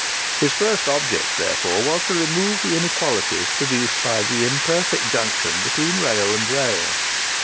His first object therefore was, to remove the inequalities produced by the imperfect junction between rail and rail.